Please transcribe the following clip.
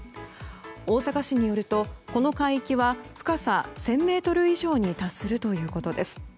大阪市によるとこの海域は深さ１０００ｍ以上に達するということです。